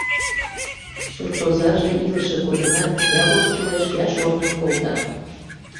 Суртозаже илыше кодынат, я воштылеш, я шортын колта.